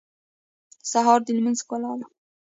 سهار د لمونځ ښکلا ده.